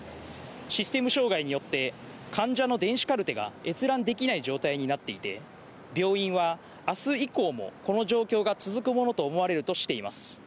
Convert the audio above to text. システム障害によって、患者の電子カルテが閲覧できない状態になっていて、病院はあす以降もこの状況が続くものと思われるとしています。